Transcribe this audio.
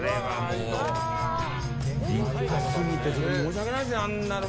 立派すぎて申し訳ないですね。